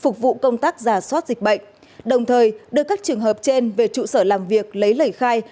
tổ công tác giả soát dịch bệnh đồng thời đưa các trường hợp trên về trụ sở làm việc lấy lấy khai